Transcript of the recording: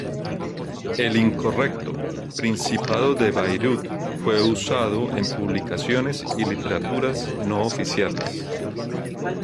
El incorrecto 'Principado de Bayreuth' fue usado en publicaciones y literatura no oficiales.